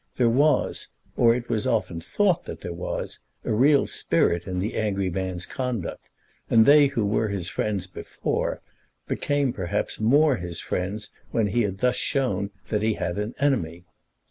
There was, or it was often thought that there was, a real spirit in the angry man's conduct, and they who were his friends before became perhaps more his friends when he had thus shown that he had an enemy.